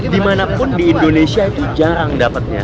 dimana pun di indonesia itu jarang dapatnya